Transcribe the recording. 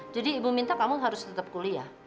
jadi ibu minta kamu harus tetap kuliah